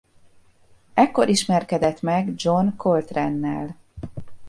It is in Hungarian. Ekkor ismerkedett meg John Coltrane-nel.